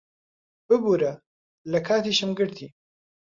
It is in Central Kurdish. ببوورە، لە کاتیشم گرتی.